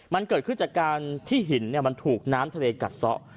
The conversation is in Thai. มันเกิดขึ้นจากการที่หินมันถูกน้ำทะเลกัดซะ